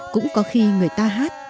cũng có khi người ta hát